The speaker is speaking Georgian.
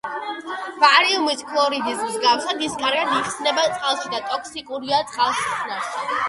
ბარიუმის ქლორიდის მსგავსად, ის კარგად იხსნება წყალში და ტოქსიკურია წყალხსნარში.